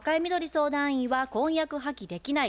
相談員は「婚約破棄できない」